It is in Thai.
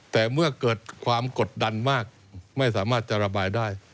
แต่เมื่อเกิดความกดดันมากไม่สามารถจะระบายได้